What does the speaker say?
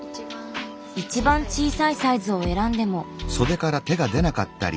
一番小さいサイズを選んでも。